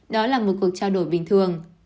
đó là một cuộc trao đổi bình thường